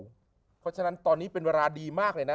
เพราะฉะนั้นตอนนี้เป็นเวลาดีมากเลยนะ